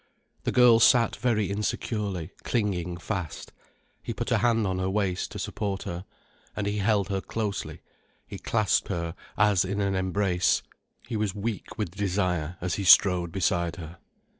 The girl sat very insecurely, clinging fast. He put a hand on her waist, to support her. And he held her closely, he clasped her as in an embrace, he was weak with desire as he strode beside her.